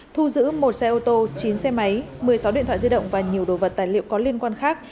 thu giữ một xe ô tô chín xe máy một mươi sáu điện thoại di động và nhiều đồ vật tài liệu có liên quan khác